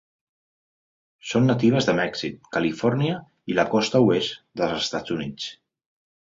Són natives de Mèxic, Califòrnia i la Costa Oest dels Estats Units.